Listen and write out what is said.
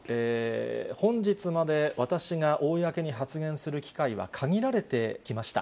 本日まで私が公に発言する機会は限られてきました。